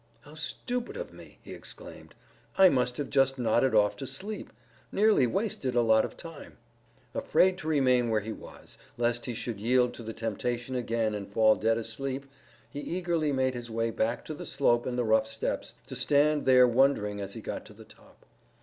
"How stupid of me!" he exclaimed. "I must have just nodded off to sleep. Nearly wasted a lot of time." Afraid to remain where he was, lest he should yield to the temptation again and fall dead asleep, he eagerly made his way back to the slope and the rough steps, to stand there wondering as he got to the top.